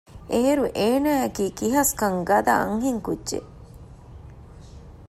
އޭރު އޭނާއަކީ ކިހަސްކަން ގަދަ އަންހެންކުއްޖެއް